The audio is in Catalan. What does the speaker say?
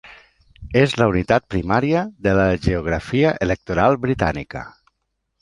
És la unitat primària de la geografia electoral britànica.